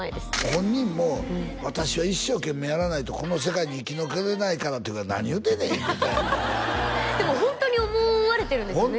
本人も私は一生懸命やらないとこの世界に生き残れないからって言うから何言うてんねん言うたんよでもホントに思われてるんですよね